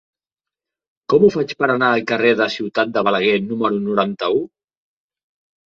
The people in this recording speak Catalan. Com ho faig per anar al carrer de la Ciutat de Balaguer número noranta-u?